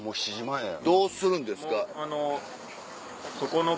どうするんですか？